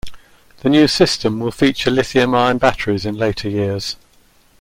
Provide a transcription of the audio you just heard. The new system will feature lithium-ion batteries in later years.